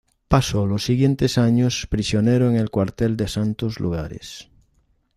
Pasó los siguientes años prisionero en el cuartel de Santos Lugares.